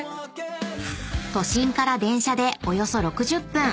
［都心から電車でおよそ６０分］